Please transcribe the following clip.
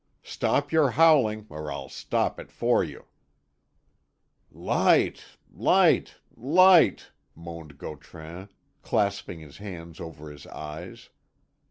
Stop your howling, or I'll stop it for you!" "Light! light! light!" moaned Gautran, clasping his hands over his eyes.